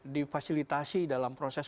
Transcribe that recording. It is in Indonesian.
difasilitasi dalam proses